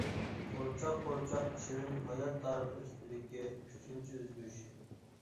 قورچاق قورچاق چىۋىن ھايات تارىخى ئۈستىدىكى ئۈچىنچى ئۆزگىرىشى.